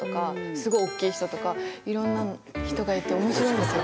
すごい大っきい人とかいろんな人がいて面白いんですよ。